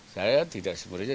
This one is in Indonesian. saya tidak sepertinya